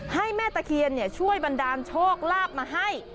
ให้แม่ตะเคียนช่วยบันดาลโชคลาภมาให้